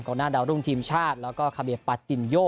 หน้าดาวรุ่งทีมชาติแล้วก็คาเบียปาตินโย